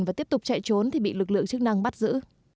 và tiếp tục chạy trốn thì bị lực lượng chức năng bắt giữ